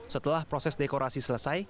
setelah proses dekorasi selesai